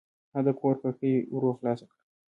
هغه د کور کړکۍ ورو خلاصه کړه.